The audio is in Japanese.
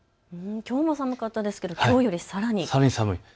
きょうも寒かったですがきょうよりさらに寒いんですね。